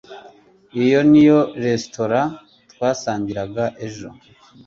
iyo niyo resitora twasangiraga ejo